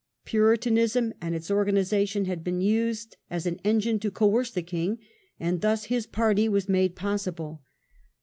Puritanism and its organization had been used as an engine to coerce the king, and thus his party was made possible.